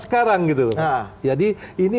sekarang jadi ini